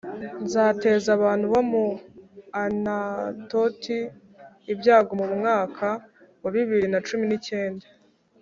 nzateza abantu bo mu Anatoti ibyago mu mwaka wa bibili nacumi nicyenda